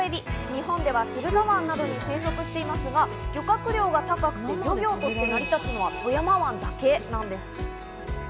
日本では駿河湾などに生息していますが、漁獲量が高く漁業として成り立つのは富山湾だけなんです。